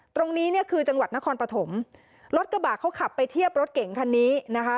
ตรงนี้เนี่ยคือจังหวัดนครปฐมรถกระบะเขาขับไปเทียบรถเก่งคันนี้นะคะ